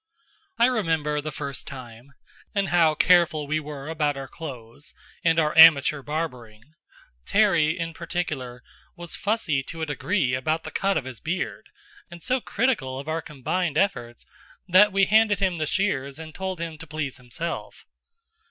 I remember the first time and how careful we were about our clothes, and our amateur barbering. Terry, in particular, was fussy to a degree about the cut of his beard, and so critical of our combined efforts, that we handed him the shears and told him to please himself.